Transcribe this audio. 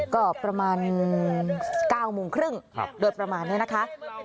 ก็ประมาณ๙โมงครึ่งโดยประมาณนี้นะคะ